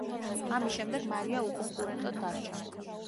ამის შემდეგ მარია უკონკურენტოდ დარჩა.